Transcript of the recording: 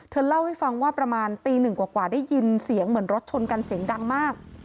เล่าให้ฟังว่าประมาณตีหนึ่งกว่าได้ยินเสียงเหมือนรถชนกันเสียงดังมาก